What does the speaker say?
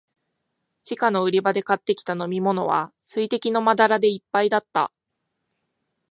地下の売り場で買ってきた飲みものは、水滴のまだらでいっぱいだった。